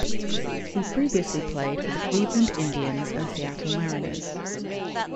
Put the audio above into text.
He previously played for the Cleveland Indians and Seattle Mariners.